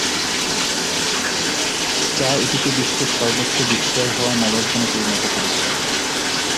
যা এটিকে বিশ্বের সর্বোচ্চ বিক্রয় হওয়া মোবাইল ফোনে পরিণত করেছে।